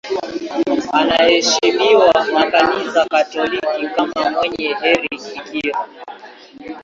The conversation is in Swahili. Anaheshimiwa na Kanisa Katoliki kama mwenye heri bikira.